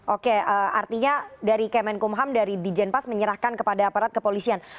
oke artinya dari kemenkumham dari di jenpas menyerahkan kepada aparat kepolisian